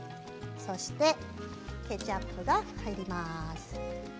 そしてケチャップが入ります。